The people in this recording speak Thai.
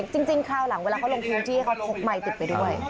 คราวหลังเวลาเขาลงพื้นที่เขาพกไมค์ติดไปด้วย